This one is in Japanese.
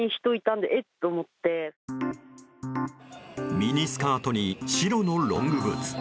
ミニスカートに白のロングブーツ。